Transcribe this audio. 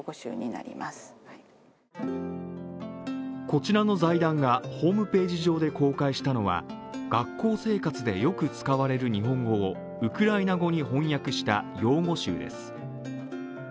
こちらの財団がホームページ上で公開したのは、学校生活でよく使われる日本語をウクライナ語に翻訳した用語集です。